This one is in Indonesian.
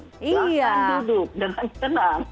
selamat duduk dengan tenang